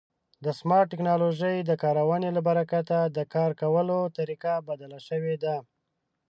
د سمارټ ټکنالوژۍ د کارونې له برکته د کار کولو طریقه بدله شوې ده.